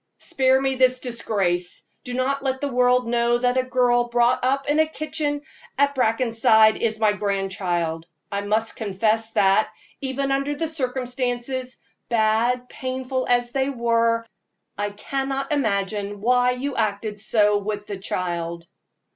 Spare me this disgrace; do not let the world know that a girl brought up in the kitchen at Brackenside is my grandchild. I must confess that, even under the circumstances, bad, painful, as they were, I cannot imagine why you acted so with the child."